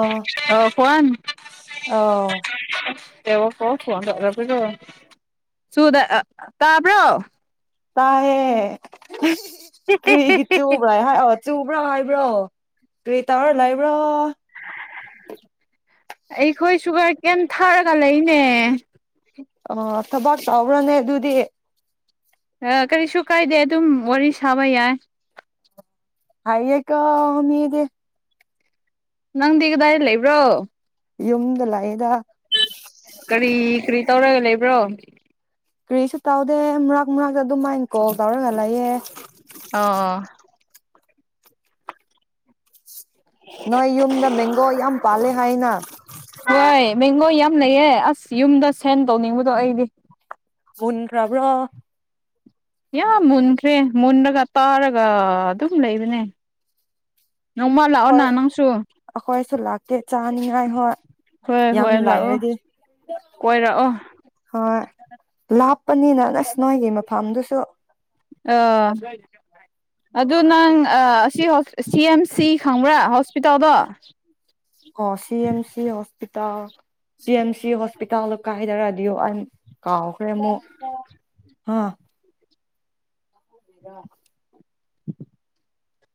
ꯑꯥ꯫ ꯀꯣꯟ꯫ ꯑ꯫ ꯣ ꯀ ꯐꯣꯟ ꯁꯨꯗ ꯇꯥꯕ꯭ꯔꯣ꯫ ꯇꯥꯏꯌꯦ꯫ ꯀꯔꯤꯒꯤ ꯆꯨꯕ꯭ꯔ ꯍꯥꯏ ꯑ ꯆꯨꯕ꯭ꯔꯥ ꯍꯥꯏꯕ꯭ꯔꯣ꯫ ꯀꯔꯤꯇꯥ ꯇꯣꯔꯥ ꯂꯩꯕꯔꯣ꯫ ꯑꯩꯈꯣꯏ ꯁꯨꯒꯔ ꯀꯔꯤꯝ ꯊꯥꯔꯒ ꯂꯩꯅꯦ꯫ ꯑ ꯊꯕꯥꯥꯛ ꯇꯥꯎ꯭ꯔꯅꯦ ꯑꯗꯨꯗꯤ꯫ ꯀꯔꯤꯁꯨ ꯀꯥꯏꯗꯦ ꯑꯗꯨꯝ ꯋꯥꯔꯤ ꯁꯥꯕ ꯌꯥꯏ꯫ ꯑꯑꯀꯣ ꯃꯤꯗꯤ ꯫ ꯅꯪꯗꯤ ꯀꯗꯥꯏ ꯂꯩꯕ꯭ꯔꯣ꯫ ꯌꯨꯝꯗ ꯂꯥꯛꯏꯗ꯫ ꯀꯔꯤ ꯀꯔꯤ ꯇꯧꯔꯒ ꯂꯩꯕ꯭ꯔꯣ꯫ ꯀꯔꯤꯁꯨ ꯇꯧꯗꯦ ꯃꯨꯔꯥꯛ ꯃꯨꯔꯥꯛꯇ ꯑꯗꯨꯃꯥꯏꯅ ꯀꯣꯜ ꯇꯧꯔꯒ ꯂꯩꯑꯦ꯫ ꯑꯣ ꯑꯣ꯫ ꯅꯣꯏ ꯌꯨꯝꯗ ꯃꯦꯡꯒꯣ ꯌꯥꯝ ꯄꯥꯜꯂꯦ ꯍꯥꯏꯅ꯫ ꯍꯣꯏ ꯃꯦꯡꯒꯣ ꯌꯥꯝ ꯂꯩꯌꯦ ꯑꯁ ꯌꯨꯝꯗ ꯁꯦꯟ ꯇꯧꯅꯤꯡꯕꯗꯣ ꯑꯩꯗꯤ꯫ ꯃꯨꯟ꯭ꯒꯔꯥꯕ꯭ꯔꯣ꯫ ꯌꯥꯝ ꯃꯨꯟꯈ꯭ꯔꯦ ꯃꯨꯟꯔꯒ ꯇꯥꯔꯒ ꯑꯗꯨꯝ ꯂꯩꯕꯅꯦ꯫ ꯅꯣꯡꯃ ꯍꯣꯏ ꯂꯥꯛꯑꯣꯅ ꯅꯪꯁꯨ ꯑꯩꯈꯣꯏꯁꯨ ꯂꯥꯛꯀꯦ ꯆꯥꯅꯤꯡꯉꯥꯏ ꯍꯣꯏ ꯍꯣꯏ ꯌꯥꯝ ꯍꯣꯏ ꯂꯥꯛꯑꯣ ꯂꯥꯏꯔꯗꯤ ꯀꯣꯏꯔꯛꯑꯣ ꯍꯣꯏ ꯂꯥꯞ꯫ ꯥꯥꯂꯥꯞꯄꯅꯤꯅ ꯑꯁ ꯅꯣꯏꯒꯤ ꯃꯐꯝꯗꯨꯁꯨ꯫ ꯑ ꯑꯗꯨ ꯅꯪ ꯑꯁꯤ ꯁꯤ ꯑꯦꯝ ꯁꯤ ꯈꯪꯕ꯭ꯔꯥ ꯍꯣꯁꯄꯤꯇꯥꯜꯗꯣ꯫ ꯑꯣ ꯁꯤ ꯑꯦꯝ ꯁꯤ ꯑꯣ꯫ ꯍꯣꯁꯄꯤꯇꯥꯜ ꯁꯤ ꯑꯦꯝ ꯁꯤ ꯍꯣꯁꯄꯤꯇꯥꯜꯗ ꯀꯥꯏꯊꯔꯗꯤ ꯑꯩ ꯀꯥꯎꯈ꯭ꯔꯦ ꯑꯃꯨꯛ ꯑ꯫ ꯗ꯫ [inaudible]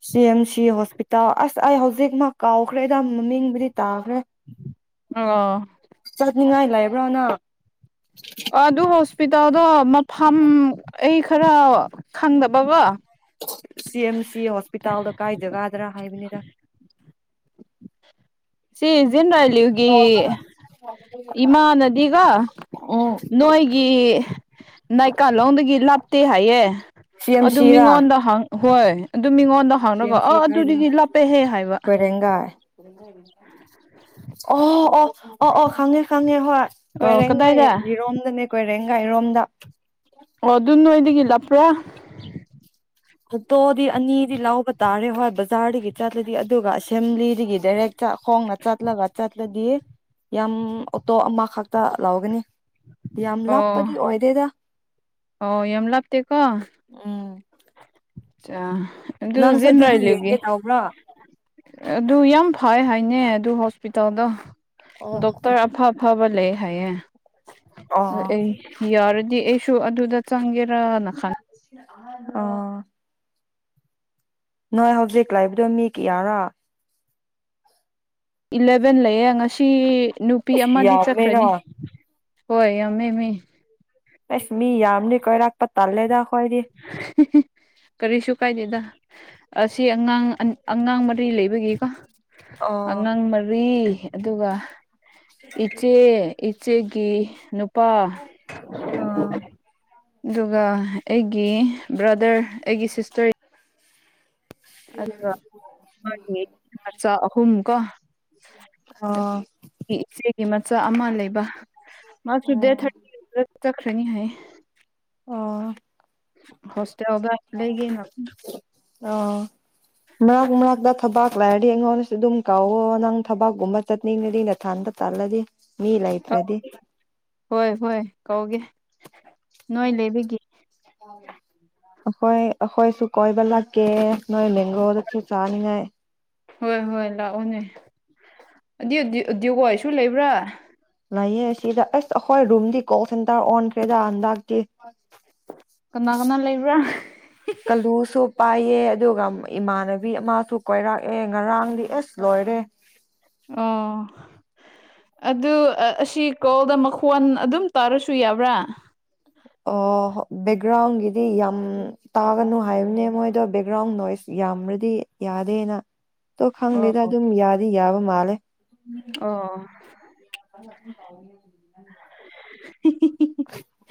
ꯁꯤ ꯑꯦꯝ ꯁꯤ ꯍꯣꯁꯄꯤꯇꯥꯜ ꯑꯁ ꯑꯩ ꯍꯧꯖꯤꯛ ꯃꯥ ꯀꯥꯎꯈ꯭ꯔꯦꯗ ꯃꯃꯤꯡꯕꯨꯗꯤ ꯇꯥꯈ꯭ꯔꯦ꯫ ꯑ꯫ ꯆꯠꯅꯤꯡꯉꯥꯏ ꯂꯩꯕ꯭ꯔꯣ ꯅꯪ ꯑꯗꯨ ꯍꯣꯁꯄꯤ꯫ ꯇꯥꯜꯗꯣ ꯃꯐꯝ ꯑꯩ ꯈꯔ ꯈꯪꯗꯕꯕ꯫ ꯁꯤ ꯑꯦꯝ ꯁꯤ ꯍꯣꯁꯄꯤꯇꯥꯜꯗꯣ ꯀꯥꯏ ꯖꯒꯥꯗꯔꯥ ꯍꯥꯏꯕꯅꯤꯗ ꯁꯤ ꯖꯤꯟ ꯔꯖ꯫ ꯑꯂꯨꯒꯤ ꯏꯃꯥꯅꯗꯤꯒ ꯑꯣ ꯅꯣꯏꯒꯤ ꯅꯥꯏꯀꯥꯂꯣꯡꯗꯒꯤ ꯂꯥꯞꯇꯦ ꯍꯥꯏꯌꯦ ꯁꯤ ꯑꯦꯝ ꯑꯗꯨ ꯁꯤꯔꯥ ꯃꯤꯉꯣꯟꯗ꯫ ꯍꯣꯏ꯫ ꯑꯗꯨ ꯃꯤꯉꯣꯟꯗ ꯁꯤ ꯍꯪꯔꯒ ꯑꯦꯝ ꯑ ꯁꯤ ꯑꯗꯨꯗꯤ ꯀꯥꯏꯗꯅꯣ ꯂꯥꯞꯄꯦꯍꯦ ꯍꯥꯏꯕ꯫ ꯄꯨ꯫ ꯑꯣ ꯑꯣ ꯑꯣ ꯑꯣ ꯈꯪꯉꯦ ꯈꯪꯉꯦ ꯍꯣꯏ ꯑꯣ ꯀꯣꯏꯔꯦꯡꯒꯩ ꯀꯗꯥꯏꯗ ꯌꯤꯔꯣꯝꯗꯅꯦ ꯀꯣꯏꯔꯦꯡꯒ ꯔꯦꯒꯥꯏ ꯔꯣꯝꯗ ꯑꯣ ꯑꯗꯨ ꯅꯣꯏꯗꯒꯤ ꯂꯥꯞꯄꯨ꯭ꯔꯥ ꯑꯣꯇꯣꯗꯤ ꯑꯅꯤꯗꯤ ꯂꯧꯕ ꯇꯥꯔꯦ ꯍꯣꯏ ꯕꯖꯥꯔꯗꯒꯤ ꯆꯠꯂꯗꯤ ꯑꯗꯨꯒ ꯑꯁꯦꯝꯕ꯭ꯂꯤꯗꯒꯤ ꯗꯥꯏꯔꯦꯛ ꯈꯣꯡꯅ ꯆꯠꯂꯒ ꯆꯠꯂꯗꯤ ꯌꯥꯝ ꯑꯣꯇꯣ ꯑꯃꯈꯛꯇ ꯂꯧꯥꯎꯒꯅꯤ ꯌꯥꯝ ꯑꯣ ꯂꯥꯞꯄꯗꯤ ꯑꯣꯏꯗꯦꯗ ꯑꯣ ꯌꯦꯝꯂꯞꯇꯦꯀꯣ ꯎꯝ ꯑꯆꯥ ꯅꯪꯁꯨ ꯑꯗꯨꯖꯤꯟ ꯑꯗꯨꯗ ꯔꯥꯏꯂꯤꯒꯤ ꯌꯦꯡꯒꯦ ꯇꯧꯕ꯭ꯔꯥ ꯑꯗꯨ ꯌꯥꯝ ꯐꯩ ꯍꯥꯏ ꯑꯅꯦ ꯑꯗꯨ ꯍꯣꯁ ꯍꯣꯁꯄꯤꯇꯥꯜꯗ ꯑꯣ ꯑꯣ ꯗꯣꯛꯇꯔ ꯑꯐ ꯑꯐꯕ ꯂꯩꯌꯦ ꯍꯥꯏꯌꯦ ꯑꯣ ꯌꯔꯗꯤ ꯑꯦ ꯁꯨ ꯑꯗꯨꯗ ꯆꯪꯒꯦꯔꯅ ꯈꯟ ꯑ ꯅꯣꯏ ꯍꯧꯖꯤꯛ ꯂꯩꯕꯗꯣ ꯃꯤ ꯀꯌꯥꯔꯥ ꯏꯂꯦꯚꯦꯟ ꯂꯩꯌꯦꯦ ꯉꯁꯤ ꯅꯨꯄꯤ ꯑꯃꯗꯤ ꯌꯥꯝꯃꯦꯅ ꯆꯠꯈ꯭ꯔꯅꯤ ꯍꯣꯏ ꯌꯥꯝꯃꯦ ꯃꯤ ꯑꯩꯁ ꯃꯤ ꯌꯥꯝꯅꯤ ꯀꯣꯏꯔꯛꯄ ꯇꯜꯂꯦꯗ ꯑꯩꯈꯣꯏꯗꯤ ꯀꯔꯤꯁꯨ ꯀꯥꯏꯗꯦꯗ ꯑꯁꯤ ꯑꯉꯥꯡ ꯑꯉꯥꯡ ꯃꯔꯤ ꯂꯩꯕꯒꯤꯀꯣ ꯑꯣ ꯑꯉꯥꯡ ꯃꯔꯤ ꯑꯗꯨꯒ ꯏꯆꯦ ꯆꯦꯒꯤ ꯅꯨ ꯄ ꯑꯣ ꯑꯗꯨꯒ ꯑꯩꯒꯤ ꯕ꯭ꯔꯗꯔ ꯑꯩꯒꯤ ꯁꯤꯁꯇꯔ ꯑꯗꯨꯒ ꯃꯥꯒꯤ ꯃꯆꯥ ꯑꯍꯨꯝ ꯀꯣ ꯑꯣ ꯏꯆꯦꯒꯤ ꯃꯆꯥ ꯆ ꯑꯃ ꯂꯩ ꯕ ꯃꯁꯨ ꯗꯦꯠ ꯎꯝ ꯊꯔꯇꯤꯗ ꯆꯠ ꯈ꯭ꯔꯅꯤ ꯍꯥꯏꯌꯦ ꯑꯣ ꯍꯣꯁꯇꯦꯜꯗ ꯂꯩꯒꯦ ꯑꯥ ꯃꯛ ꯃꯔꯛꯇ ꯊꯕꯥꯛ ꯂꯥꯏꯔꯗꯤ ꯑꯩꯉꯣꯟꯗꯁꯨ ꯑꯗꯨꯝ ꯀꯥꯎꯋꯣ ꯅꯪ ꯊꯕꯥꯛꯀꯨꯝꯕ ꯆꯠꯅꯤꯡꯉꯗꯤ ꯅꯊꯥꯟꯗ ꯇꯜꯂꯗꯤ ꯍꯣꯏ ꯍꯣꯏ ꯀꯧꯒꯦ ꯅꯣꯏ ꯂꯩꯕꯒꯤ ꯑꯩꯈꯣꯏ ꯑꯩꯈꯣꯏꯁꯨ ꯀꯣꯏꯕ ꯂꯥꯛꯀꯦ ꯅꯣꯏ ꯃꯦꯡꯒꯣꯗꯁꯨ ꯆꯥꯅꯤꯡꯉꯥꯏ ꯍꯣꯏ ꯍꯣꯏ ꯂꯥꯛꯑꯣꯅꯦ ꯑꯗꯨ ꯗꯤꯌꯨ ꯗꯤꯎꯍꯣꯏꯁꯨ ꯂꯩꯕ꯭ꯔꯥ ꯂꯩꯥꯛꯌꯦ ꯁꯤꯗ ꯑꯁ ꯑꯩꯈꯣꯏ ꯔꯨꯝꯗꯤ ꯀꯣꯜ ꯁꯦꯟꯇꯔ ꯑꯣꯟꯈ꯭ꯔꯦꯗ ꯍꯟꯗꯛꯇꯤ ꯀꯅꯥ ꯀꯅꯥ ꯂꯩꯏꯕ꯭ꯔꯥ ꯀꯜꯂꯨꯁꯨ ꯄꯥꯏꯌꯦ ꯑꯗꯨꯒ ꯏꯃꯥꯟꯅꯕꯤ ꯑꯃꯁꯨ ꯀꯣꯏꯔꯛꯑꯦ ꯉꯔꯥꯡꯗꯤ ꯑꯦꯁ ꯂꯣꯏꯔꯦ ꯑꯣ ꯑꯗꯨ ꯑꯁꯤ ꯀꯣꯜꯗ ꯃꯈꯣꯟ ꯑꯗꯨꯝ ꯇꯥꯔꯁꯨ ꯌꯥꯕ꯭ꯔꯥ ꯑꯣ ꯕꯦꯛꯒ꯭ꯔꯥꯎꯟꯒꯤꯗꯤ ꯌꯥꯝ ꯇꯥꯒꯅꯨ ꯍꯥꯏꯕꯅꯦ ꯃꯣꯏꯗꯣ ꯕꯦꯛꯒ꯭ꯔꯥꯎꯟ ꯅꯣꯏꯁ ꯌꯥꯝ꯭ꯔꯗꯤ ꯌꯥꯗꯦꯅ ꯇꯣ ꯈꯪꯗꯦꯗ ꯑꯣ ꯑꯗꯨꯝ ꯌꯥꯗꯤ ꯌꯥꯕ ꯃꯥꯜꯂꯦ ꯑꯣ [unintelligible] [unintelligible]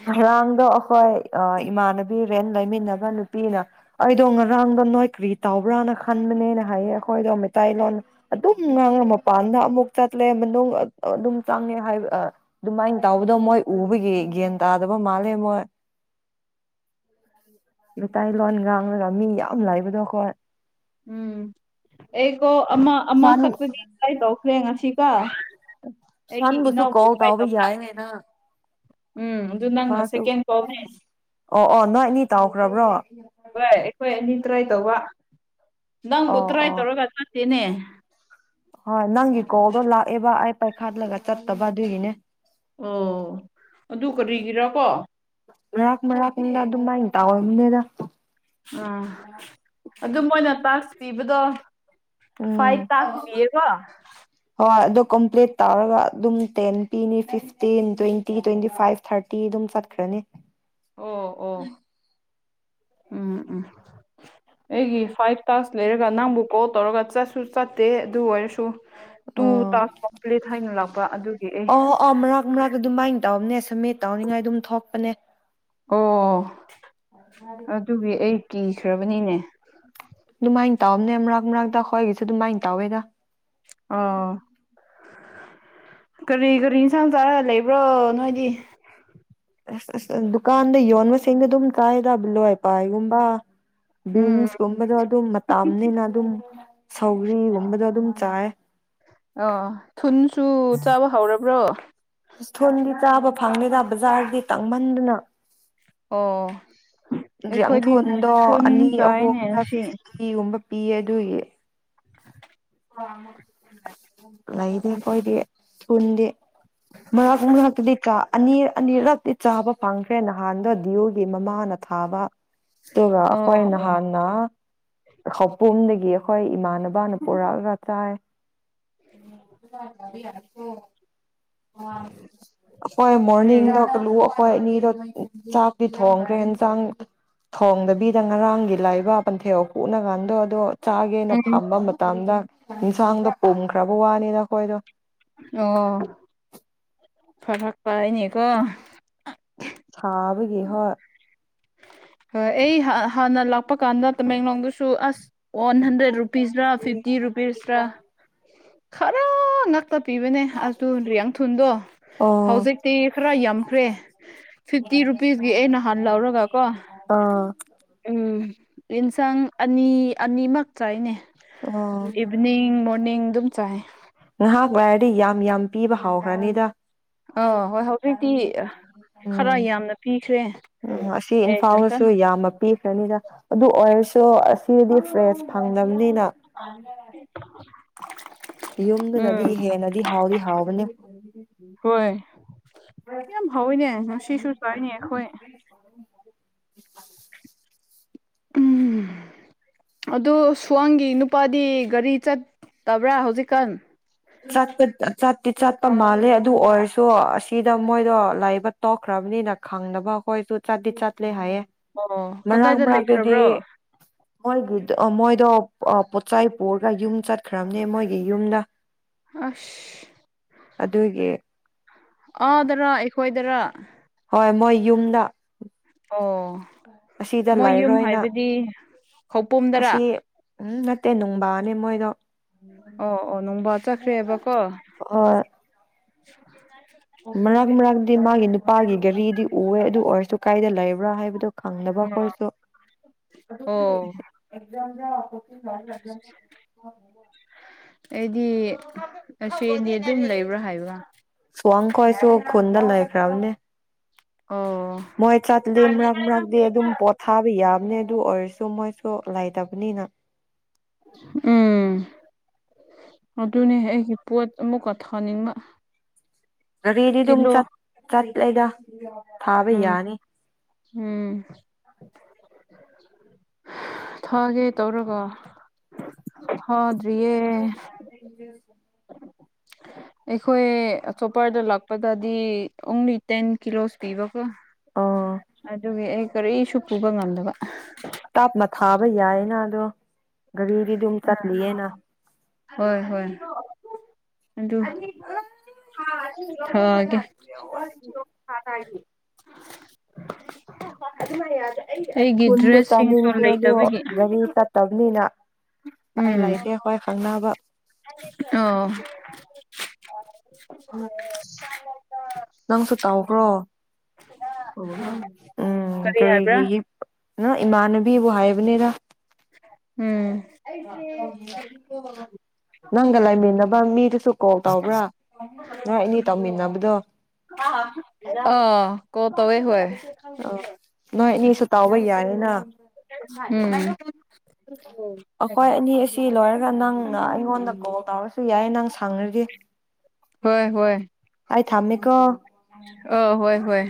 ꯉꯔꯥꯡꯗꯣ ꯑꯩꯈꯣꯏ ꯏꯃꯥꯟꯅꯕꯤ ꯔꯦꯟ ꯂꯩꯃꯤꯟꯅꯕ ꯅꯨꯄꯤꯅ ꯑꯩꯗꯣ ꯉꯔꯥꯡꯗꯣ ꯅꯣꯏ ꯀꯔꯤ ꯇꯧꯕꯕ꯭ꯔꯥꯅ ꯈꯟꯕꯅꯦꯅ ꯍꯥꯏꯌꯦ ꯑꯩꯈꯣꯏꯗꯣ ꯃꯩꯇꯩꯂꯣꯟ ꯑꯗꯨꯝ ꯉꯥꯡꯅ ꯃꯄꯥꯟꯗ ꯑꯃꯨꯛ ꯆꯠꯂꯦ ꯑꯗꯨꯝ ꯆꯪꯉꯦ ꯍꯥꯏ ꯑꯗꯨꯃꯥꯏꯅ ꯇꯧꯕꯗꯣ ꯃꯣꯏ ꯎꯕꯒꯤ ꯒꯟ ꯇꯥꯗꯕ ꯃꯥꯜꯂꯦ ꯃꯣꯏ ꯃꯇꯩꯂꯣꯟ ꯉꯥꯡꯂꯒ ꯃꯤ ꯌꯥꯝ ꯂꯩꯕꯗꯣ ꯑꯩꯈꯣꯏ ꯎꯝ ꯑꯩꯒꯣ ꯑꯃꯥ ꯑꯃꯥ ꯁꯟ ꯈꯛꯇꯒꯤ ꯍꯥꯏꯇꯣ ꯐꯦ ꯉꯁꯤ ꯀꯣ ꯁꯟꯕꯨꯁꯨ ꯀꯧ ꯇꯥꯎꯕ ꯌꯥꯏꯅꯦꯅ ꯎꯝ ꯑꯗꯨ ꯅꯪꯅ ꯃꯥꯁꯨ ꯁꯦꯀꯦꯟ ꯀꯣꯜꯅꯦ ꯑꯣ ꯑꯣ ꯅꯣꯏꯅꯤ ꯇꯥꯎ [unintelligible] ꯍꯥꯏ ꯑꯩꯈꯣꯏꯅꯤ ꯇ꯭ꯔꯥꯏ ꯇꯧꯋꯥ ꯅꯪꯄꯨ ꯑꯣ ꯇꯔꯥꯏ ꯑꯣ ꯇꯔꯒ ꯆꯇꯦꯅꯦ ꯍꯣꯏ ꯅꯪꯒꯤ ꯀꯣꯜꯗꯣ ꯂꯥꯛꯑꯦꯕ ꯑꯩ ꯄꯥꯏꯈꯠꯂꯒ ꯆꯠꯇꯕ ꯑꯗꯨꯒꯤꯅꯦ ꯑꯣ ꯑꯗꯨ ꯀꯔꯤꯒꯤꯔ ꯀꯣ ꯃꯥꯛ ꯃꯔꯥꯛꯗ ꯑꯗꯨꯝ ꯃꯥꯏ ꯇꯥꯑꯣꯝꯗꯦꯗ ꯎꯝ ꯑꯗꯨ ꯃꯣꯏꯅ ꯇꯥꯁ ꯄꯤꯕꯗꯣ ꯐꯏ ꯎꯝ ꯇꯥꯥꯁ ꯄꯤꯀꯑꯣ ꯍꯣꯏ ꯑꯗꯣ ꯀꯝꯄ꯭ꯂꯤꯠ ꯇꯧꯔꯒ ꯑꯗꯨꯝ ꯇꯦꯟ ꯄꯤꯅꯤ fifteen twenty twenty five thirty ꯑꯗꯨꯝ ꯆꯠꯈ꯭ꯔꯅꯤ ꯑꯣ ꯑꯣ ꯎꯝ ꯎꯝ ꯑꯩꯒꯤ ꯐꯥꯏꯚ ꯇꯥꯛꯁ ꯂꯩꯔꯒ ꯅꯪꯕꯨ ꯀꯣꯜ ꯇꯧꯔꯒ ꯆꯠꯁꯨ ꯆꯠꯇꯦ ꯑꯗꯨ ꯑꯣꯏꯔꯁꯨ ꯇꯨ ꯑꯣ ꯇꯥꯁꯀ ꯀꯝꯄꯂꯤꯠ ꯍꯥꯏꯅ ꯂꯥꯛ ꯑꯣ ꯑꯣ ꯃꯔꯛ ꯃꯔꯛ ꯑꯗꯨꯃꯥꯏꯅ ꯇꯧꯝꯅꯦ ꯁꯃꯦꯠ ꯇꯧꯅꯤꯉꯥꯏ ꯑꯗꯨꯝ ꯊꯣꯛꯄꯅꯦ ꯑꯣ ꯑꯗꯨꯒꯤ ꯑꯩꯒꯤ ꯁꯨꯔꯕꯅꯤꯅꯦ ꯑꯗꯨꯃꯥꯏꯅ ꯇꯧꯕꯅꯦ ꯃꯔꯛ ꯃꯔꯛꯇ ꯑꯩꯈꯣꯏꯒꯤꯁꯨ ꯑꯗꯨꯃꯥꯏꯅ ꯇꯧꯋꯦꯗ ꯑꯥ ꯀꯔꯤ ꯀꯔꯤ ꯏꯟꯁꯥꯡ ꯆꯥꯔ ꯂꯩꯕ꯭ꯔꯣ ꯅꯣꯏꯗꯤ ꯑꯁ ꯑꯁ ꯗꯨꯀꯥꯟꯗ ꯌꯣꯟꯕꯁꯤꯡꯗ ꯑꯗꯨꯝ ꯆꯥꯏ ꯇꯕ ꯂꯣꯏ ꯍꯥꯏ ꯄꯥꯏꯒꯨꯝꯕ꯫ ꯎꯝ ꯕꯤꯟꯁꯀꯨꯝꯕꯗꯣ ꯑꯗꯨꯝ ꯃꯇꯝꯅꯤꯅ ꯑꯗꯨꯝ ꯁꯧꯒ꯭ꯔꯤꯒꯨꯝꯕꯗꯣ ꯑꯗꯨꯝ꯫ ꯆꯥꯏ꯫ ꯑꯣ ꯊꯨꯟꯁꯨ ꯆꯥꯕ ꯍꯧꯔꯕ꯭ꯔꯣ꯫ ꯊꯨꯟꯗꯤ ꯆꯥꯕ ꯐꯪꯗꯤꯗ ꯕꯖꯥꯔꯗꯤ ꯇꯥꯡꯃꯟꯗꯅ꯫ ꯑꯣ ꯑꯩꯈꯣꯏꯗꯤ ꯌꯥꯡꯊꯣꯟꯗꯣ ꯊꯨꯟ ꯑꯅꯤ ꯆꯥꯏꯅꯦ ꯑꯍꯨꯝꯗ ꯉꯁꯤ ꯐꯤꯐꯇꯤꯒꯨꯝꯕ꯫ ꯄꯤꯌꯦ ꯑꯗꯨꯒꯤ꯫ ꯑ꯫ ꯂꯩꯗꯦ ꯑꯩꯈꯣꯏꯗꯤ꯫ ꯄꯨꯟꯗꯦ꯫ ꯃꯅꯥ ꯐꯣꯡ ꯍꯥꯛꯇꯗꯤ ꯆꯥ꯫ ꯑꯅꯤꯔ ꯑꯅꯤꯔꯛꯇꯤ ꯆꯥꯕ ꯐꯪꯈ꯭ꯔꯦ ꯅꯍꯥꯟꯗꯣ ꯗꯤꯌꯣꯒꯤ ꯃꯃꯥꯅ ꯊꯥꯕ꯫ ꯑꯗꯨꯒ ꯑꯣ ꯑꯩꯈꯣꯏ ꯑꯣ ꯅꯍꯥꯟꯅ ꯈꯥꯎꯄꯨꯝꯗꯒꯤ꯫ ꯑꯩꯈꯣꯏ ꯏꯃꯥꯟꯅꯕꯅ꯫ ꯄꯨꯔꯛꯑꯒ ꯆꯥꯏꯌꯦ ꯫ [unintelligible] ꯑꯩꯈꯣꯏ ꯎꯝ ꯃꯣꯔꯅꯤꯡꯗ ꯀ ꯂꯨ꯫ ꯍꯣꯏ ꯑꯅꯤꯗꯣ ꯆꯥꯛꯇꯗꯤ ꯊꯣꯡꯈ꯭ꯔꯦ ꯏꯟꯁꯥꯡ꯫ ꯊꯣꯡꯗꯕꯤꯗ ꯉꯔꯥꯡꯒꯤ꯫ ꯂꯥꯏꯕ ꯄꯟꯊꯦꯛꯑ ꯀꯣꯛꯅ ꯀꯥꯟꯗꯣ ꯑꯗꯣ꯫ ꯆꯥꯒꯦꯅ ꯎꯝ ꯐꯥꯝꯕ꯫ ꯗ ꯌꯦꯟꯁꯥꯡꯗ ꯄꯨꯝꯈ꯭ꯔꯕ ꯋꯥꯅꯤꯅ ꯑꯩꯈꯣꯏꯗꯣ꯫ ꯑꯣ ꯐꯥꯔꯛ ꯇꯥꯏꯅꯦꯀꯣ꯫ ꯁꯥꯥꯕꯒꯤ ꯍꯣꯏ꯫ ꯍꯣꯏ ꯑꯩ ꯍꯥꯟꯅ ꯂꯥꯛꯄ ꯀꯥꯟꯗ ꯇꯃꯦꯡꯂꯣꯡꯗꯁꯨ ꯑꯁ꯫ ꯋꯥꯟ ꯍꯟꯗ꯭ꯔꯦꯠ ꯔꯨꯄꯤꯁ꯭ꯔ ꯐꯤꯐꯇꯤ ꯔꯨꯄꯤꯁ ꯔꯥ꯫ ꯈꯔ ꯅ꯫ ꯛꯇ ꯄꯤꯕꯅꯦ ꯑꯗꯨꯌꯥꯡꯊꯨꯟꯗꯣ ꯑꯣ ꯍꯧꯖꯤꯛꯇꯤ ꯈꯔ ꯌꯥꯝꯈ꯭ꯔꯦ ꯐꯤꯐꯇꯤ ꯔꯨꯄꯤꯁꯀꯤ ꯑꯩ ꯅꯍꯥꯟ ꯂꯧꯔꯒ꯫ ꯑꯥ꯫ ꯎꯝ ꯌꯦꯟꯁꯪ ꯑꯅꯤ ꯑꯅꯤꯃꯛꯇ꯭ꯔꯥꯏꯅꯦ꯫ ꯎꯝ ꯏꯚꯅꯤꯡ ꯃꯣꯔꯅꯤꯡ꯫ ꯆꯥꯏ꯫ ꯅꯍꯥꯛ ꯍꯥꯏꯔꯗꯤ ꯌꯥꯝ ꯌꯥꯝ ꯄꯤꯕ ꯍꯥꯎꯈ꯭ꯔꯅꯤꯗ꯫ ꯎꯝ ꯑꯥ ꯍꯣꯏ ꯍꯧꯖꯤꯛꯇꯤ ꯈꯔ ꯌꯥꯝꯅ ꯄꯤꯈ꯭ꯔꯦ ꯎꯝ ꯑꯁꯤ ꯑꯦ ꯏꯝꯐꯥꯜꯗꯁꯨ ꯆꯟꯁꯟ ꯌꯥꯝꯅ ꯄꯤ꯫ ꯑꯗꯨ ꯑꯣꯏꯔꯁꯨ ꯑꯁꯤꯗꯤ ꯐ꯭ꯔꯦꯁ ꯐꯪꯗ꯫ ꯃꯤꯅꯥ [unintelligible] ꯌꯨꯝꯗꯨꯅꯗꯤ ꯎꯝ ꯍꯦꯟꯅꯗꯤ ꯍꯥꯎꯗꯤ ꯍꯥꯎꯕꯅꯦ ꯍꯣꯏ ꯌꯥꯝ ꯍꯥꯎꯋꯤꯅꯦ ꯉꯁꯤꯁꯨ ꯆꯥꯏꯅꯦ ꯑꯩꯈꯣꯏ [unintelligible] ꯎꯝ ꯑꯗꯨ ꯁ꯭ꯋꯥꯡꯒꯤ ꯅꯨꯄꯥꯗꯤ ꯒꯥꯔꯤ ꯆꯠꯇꯕ꯭ꯔꯥ ꯍꯧꯖꯤꯛꯀꯥꯟ ꯆꯄ ꯆꯠꯇꯤ ꯆꯠꯄ ꯃꯥꯜꯂꯦ ꯑꯗꯨ ꯑꯣꯏꯔꯁꯨ ꯑꯁꯤꯗ ꯃꯣꯏꯗꯣ ꯂꯥꯏꯕ ꯇꯣꯛꯈ꯭ꯔꯕꯅꯤꯅ ꯈꯪꯅꯕ ꯑꯩꯈꯣꯏꯁꯨ ꯆꯥꯠꯇꯤ ꯆꯠꯂꯦ ꯍꯥꯏꯌꯦ ꯑꯣ ꯀꯗꯥꯏꯗ ꯂꯩꯈ꯭ꯔꯕ꯭ꯔꯣ ꯃꯣꯏꯒꯤ ꯃꯣꯏꯗꯣ ꯄꯣꯠꯆꯥꯏ ꯄꯨꯔꯒ ꯌꯨꯝ ꯆꯠꯈ꯭ꯔꯕꯅꯦ ꯃꯣꯏꯒꯤ ꯌꯨꯝꯗ ꯑꯗꯨꯒꯤ ꯑꯁ ꯑꯗꯔꯥ ꯑꯩꯈꯣꯏ [unintelligible] ꯍꯣꯏ ꯃꯣꯏ ꯌꯨꯝꯗ ꯑꯣ ꯑꯣ ꯑꯁꯤꯗ ꯃꯣꯏ ꯌꯨꯝ ꯂꯩꯔꯣꯏꯅ ꯍꯥꯏꯕꯗꯤ ꯈꯧꯄꯣꯗꯔꯥ ꯇꯦꯟ ꯅꯨꯡꯕꯥꯅꯤ ꯃꯣꯏꯗꯣ ꯑꯣ ꯑꯣ ꯅꯨꯡꯕꯥ ꯆꯠꯈ꯭ꯔꯦꯕꯀꯣ [unintelligible] ꯍꯣꯏ ꯃꯔꯛ ꯃꯔꯛꯛꯇ ꯃꯥꯒꯤ ꯅꯨꯄꯥꯒꯤ ꯒꯥꯔꯤꯗꯤ ꯎꯑꯦ ꯑꯗꯨ ꯑꯣꯏꯔꯁꯨ ꯀꯥꯏꯗ ꯂꯩꯕ꯭ꯔꯥ ꯍꯥꯏꯕꯗꯣ ꯈꯪꯗꯕ ꯑꯩꯈꯣꯏꯁꯨ ꯑꯣ [unintelligible] [unintelligible] ꯑꯩꯗꯤ ꯑꯁꯦꯅꯤ ꯑꯗꯨꯝ ꯂꯩꯕ꯭ꯔꯥ ꯍꯥꯏꯕ ꯁ꯭ꯋꯥꯡ ꯈꯣꯏꯁꯨ ꯈꯨꯟꯗ ꯂꯣꯏꯈꯔꯕꯅꯦ ꯑꯣ ꯃꯣꯏ ꯆꯠꯂꯤ ꯃꯔꯥꯛ ꯃꯔꯥꯛꯗꯤ ꯑꯗꯨꯝ ꯄꯊꯥꯕ ꯌꯥ ꯑꯗꯨ ꯑꯗꯨ ꯑꯣꯏꯔꯁꯨ ꯃꯣꯏꯁꯨ ꯂꯥꯏ ꯇꯥꯕꯅꯤꯅ ꯎꯝ ꯑꯗꯨꯅꯦ ꯑꯩꯒꯤ ꯄꯣꯠ ꯑꯃꯨꯛꯀ ꯊꯥꯅꯤꯡꯕ ꯒꯥꯔꯤꯗꯤ ꯑꯗꯨꯝ ꯀꯤꯂꯣ ꯆꯥꯠ ꯆꯠ ꯂꯩꯗ ꯎꯝ ꯎꯝ ꯊꯥꯒꯦ ꯇꯧꯔꯒꯥ ꯍꯥꯎꯗ꯭ꯔꯤꯌꯦ [unintelligible] ꯑꯩꯈꯣꯏ ꯆꯣꯞꯄꯔꯗ ꯂꯥꯛꯄꯒ ꯗꯤ ꯑꯣꯡꯂꯤ ꯇꯦꯟ ꯀꯤꯂꯣꯁ ꯄꯤꯕ ꯑꯥ ꯑꯗꯨꯒꯤ ꯑꯩ ꯀꯔꯤꯁꯨꯨ ꯄꯨꯕꯉꯝ꯫ ꯗꯕ꯫ ꯌꯥꯏ ꯅꯗꯣ꯫ ꯒꯔꯤꯗꯤꯗꯨꯝ ꯆꯠꯂꯤꯌꯦꯅ꯫ ꯍꯣꯏ ꯍꯣꯏ ꯑꯗꯨ꯫ ꯑ꯫ ꯊꯒꯦ꯫ ꯍꯥ꯫ ꯑꯗꯨ ꯃꯔꯤꯌꯥꯗꯦ꯫ ꯊꯨꯟꯗꯣ ꯆꯅꯤꯡꯅꯤꯅ ꯀꯦꯗꯨ ꯒꯔꯤ ꯆꯠꯇꯕꯅꯤꯅ꯫ ꯄꯥꯏ ꯎꯝ ꯂꯩꯇꯦ ꯍꯣꯏ ꯈꯪꯅꯕ꯫ ꯑꯣ꯫ ꯅꯪꯁꯨ ꯇꯥꯎꯈ꯭ꯔꯣ ꯎꯝ ꯀꯔꯤ ꯏꯃꯥꯟꯅꯕꯤꯕꯨ ꯍꯥꯏꯕ꯫ ꯅꯦꯔ꯫ ꯎꯝ꯫ ꯅꯒ ꯂꯥꯏꯃꯤꯅꯕ꯫ ꯅꯪ ꯃꯤꯗꯨꯁꯨ ꯀꯣꯜ ꯇꯧꯕ꯭ꯔꯥ꯫ ꯅꯣꯏ ꯑꯅꯤ ꯇꯧꯃꯤꯟꯅꯕꯗꯣ ꯑ꯫ ꯀꯣꯜ ꯇꯧꯋꯦ ꯍꯣꯏ꯫ ꯑ ꯅꯣꯏꯅꯤꯁꯨ ꯇꯧꯕ ꯌꯥꯔꯦ꯫ ꯅ꯫ [unintelligible] ꯎꯝ꯫ ꯑꯩꯈꯣꯏ ꯑꯅꯤ ꯑꯁꯤ ꯂꯣꯏꯔꯒ ꯅꯪ꯫ ꯑꯩꯉꯣꯟꯗ ꯀꯣꯜ ꯇꯧꯔꯁꯨ ꯌꯥꯏ ꯅꯪ ꯁꯡꯉꯗꯤ꯫ ꯍꯣꯏ ꯍꯣꯏ꯫ ꯑꯩ ꯊꯝꯃꯦꯀꯣ꯫ ꯑ ꯍꯣꯏ ꯍꯣꯏ꯫